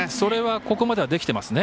ここまではできていますよね。